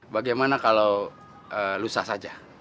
bagaimana kalau lusa saja